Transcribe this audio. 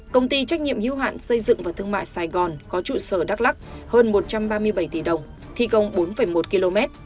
công ty trách nhiệm hưu hạn xây dựng và thương mại sài gòn có trụ sở đắk lắc hơn một trăm ba mươi bảy tỷ đồng thi công bốn một km